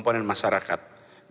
dan bertanggung jawaba pada keluarga